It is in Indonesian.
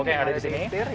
oke ada di sini